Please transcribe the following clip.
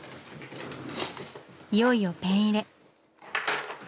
いよいよペン入れ。